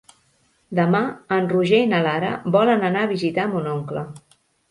Demà en Roger i na Lara volen anar a visitar mon oncle.